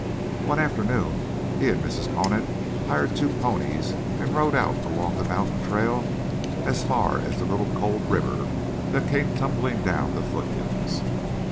One afternoon he and Mrs. Conant hired two ponies and rode out along the mountain trail as far as the little cold river that came tumbling down the foothills.